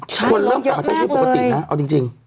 ใช่รถเยอะแนบเลยคนเริ่มกลับมาใช้ชีวิตปกตินะเอาจริง